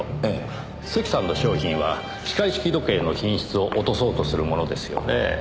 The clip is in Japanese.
関さんの商品は機械式時計の品質を落とそうとするものですよねえ。